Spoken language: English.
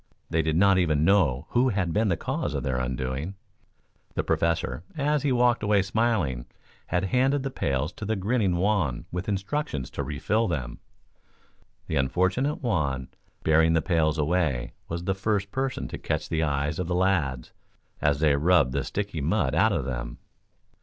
They did not even know who had been the cause of their undoing. The Professor, as he walked away smiling, had handed the pails to the grinning Juan with instructions to refill them. The unfortunate Juan, bearing the pails away, was the first person to catch the eyes of the lads, as they rubbed the sticky mud out of them.